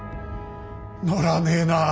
乗らねえなあ。